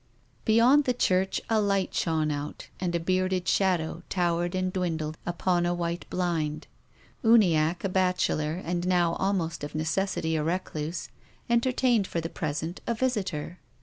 Beyond the church a light shone out, and a bearded shadow towered and dwindled upon a white blind. Uniacke, a bachelor, and now al most of necessity a recluse, entertained for the pres ent a visitor.